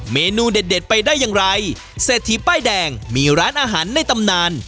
เมนูเด็ดเด็ดไปได้อย่างไรเศรษฐีป้ายแดงมีร้านอาหารในตำนาน